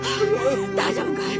大丈夫かい？